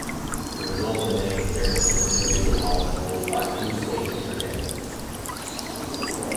The results in many experiments of individual molecules are two-state trajectories.